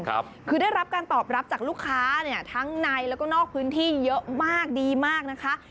คือได้รับการตอบรับจากลูกค้าเนี่ยทั้งในแล้วก็นอกพื้นที่เยอะมากดีมากนะคะ